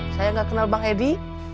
saya nggak kenal bang edi